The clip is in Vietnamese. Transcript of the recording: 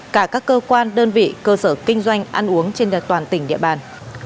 cả các cơ quan đơn vị cơ sở kinh doanh ăn uống trên toàn tỉnh địa bàn